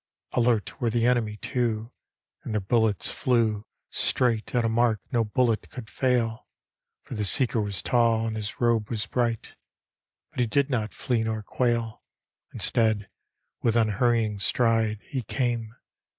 Alert were the enemy, too, And their bullets flew Straight at a mark no bullet could fail; For the seeker was tall and his robe was bright; But he did not flee nor quail. Instead, with unhurrying stride He came.